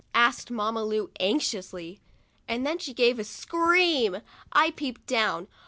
asked Mamma Lu, anxiously, and then she gave a scream. I peeped down.